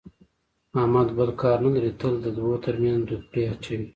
احمد بل کار نه لري، تل د دوو ترمنځ دوپړې اچوي.